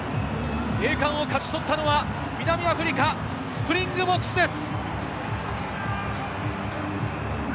栄冠を勝ち取ったのは南アフリカ、スプリングボクスです。